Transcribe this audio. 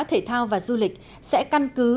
thể thao và du lịch sẽ căn cứ